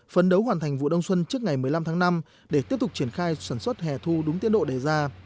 phấn đấu hoàn thành vụ đông xuân trước ngày một mươi năm tháng năm để tiếp tục triển khai sản xuất hẻ thu đúng tiến độ đề ra